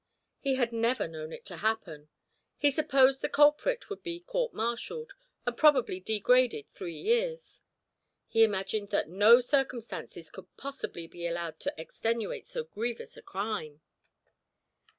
He had never known it to happen; he supposed the culprit would be court martialled, and probably degraded three years; he imagined that no circumstances could possibly be allowed to extenuate so grievous a crime.